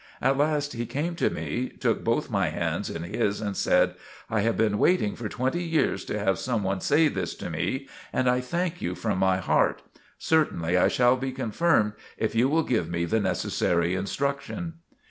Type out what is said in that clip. At last he came to me, took both my hands in his and said: "I have been waiting for twenty years to have some one say this to me, and I thank you from my heart. Certainly, I shall be confirmed if you will give me the necessary instruction."